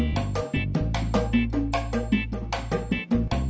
berhasil untuk kebencian adalah